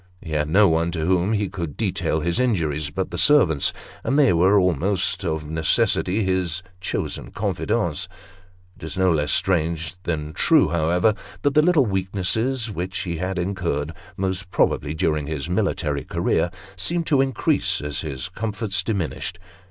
He had no one to whom he could detail his injuries but the servants, and they were almost of necessity his chosen confidants. It is no less strange than true, however, that the little weaknesses which he had incurred, most probably during his military career, seemed to increase as his comforts diminished.